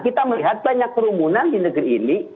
kita melihat banyak kerumunan di negeri ini